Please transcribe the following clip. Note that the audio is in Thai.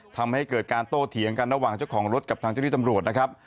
ทำให้เกิดการโต้เถียงกันระหว่างเจ้าของรถกับทางเจ้าที่ตำรวจนะครับ